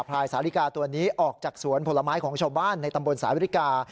ลายสาลิกาตัวนี้ออกจากสวนผลไม้ของชาวบ้านในตำบลสาวริกา